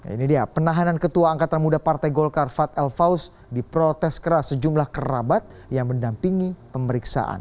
ini dia penahanan ketua angkatan muda partai golkar fad el faus di protes keras sejumlah kerabat yang mendampingi pemeriksaan